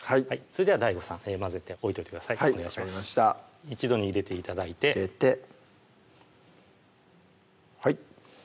それではＤＡＩＧＯさん混ぜて置いといてください一度に入れて頂いて入れてはい